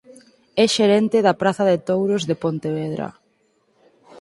É xerente da praza de touros de Pontevedra.